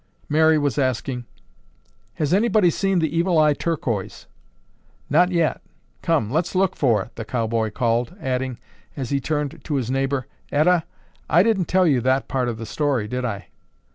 Mary was asking, "Has anyone seen the Evil Eye Turquoise?" "Not yet. Come, let's look for it," the cowboy called, adding, as he turned to his neighbor, "Etta, I didn't tell you that part of the story, did I?"